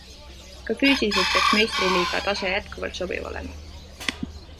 Ka füüsiliselt peaks meistriliiga tase jätkuvalt sobiv olema.